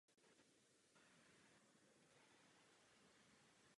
Byly dosaženy i další, velmi důležité dohody.